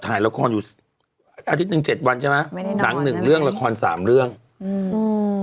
ถ่ายละครอยู่อาทิตย์หนึ่งเจ็ดวันใช่ไหมไม่ได้หนังหนึ่งเรื่องละครสามเรื่องอืมอืม